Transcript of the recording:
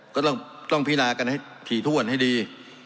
ก็ต้องพินากันให้ถี่ถ้วนให้ดี